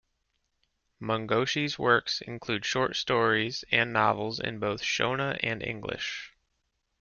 Mungoshi's works include short stories and novels in both Shona and English.